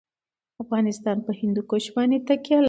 افغانستان په هندوکش باندې تکیه لري.